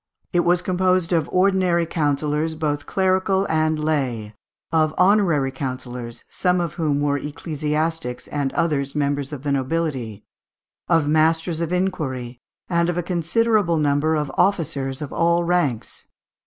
It was composed of ordinary councillors, both clerical and lay; of honorary councillors, some of whom were ecclesiastics, and others members of the nobility; of masters of inquiry; and of a considerable number of officers of all ranks (Figs.